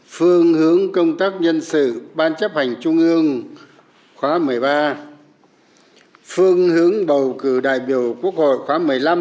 phương hướng công tác nhân sự ban chấp hành trung ương khóa một mươi ba phương hướng bầu cử đại biểu quốc hội khóa một mươi năm